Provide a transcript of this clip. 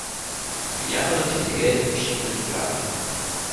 Für die anderen Titel gelten verschiedene Regularien.